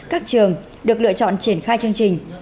các trường được lựa chọn triển khai chương trình